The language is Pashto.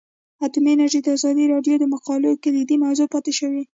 اټومي انرژي د ازادي راډیو د مقالو کلیدي موضوع پاتې شوی.